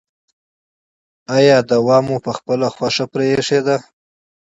ایا درمل مو پخپله خوښه پریښي دي؟